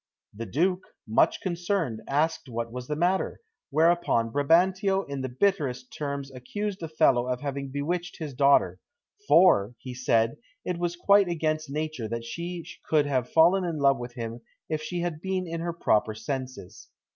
The Duke, much concerned, asked what was the matter, whereupon Brabantio in the bitterest terms accused Othello of having bewitched his daughter, for, he said, it was quite against nature that she could have fallen in love with him if she had been in her proper senses.